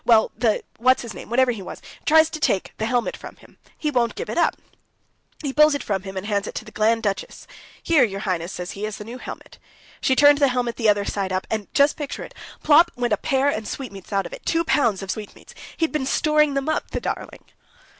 Well, the ... what's his name, whatever he was ... tries to take the helmet from him ... he won't give it up!... He pulls it from him, and hands it to the Grand Duchess. 'Here, your Highness,' says he, 'is the new helmet.' She turned the helmet the other side up, And—just picture it!—plop went a pear and sweetmeats out of it, two pounds of sweetmeats!... He'd been storing them up, the darling!"